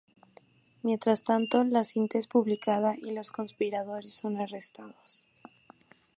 Mientras tanto la cinta es publicada y los conspiradores son arrestados.